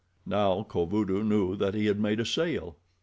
Now Kovudoo knew that he had made a sale.